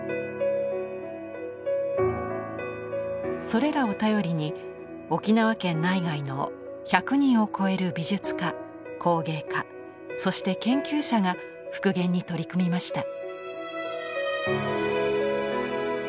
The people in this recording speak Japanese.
それらを頼りに沖縄県内外の１００人を超える美術家工芸家そして研究者が復元に取り組みました。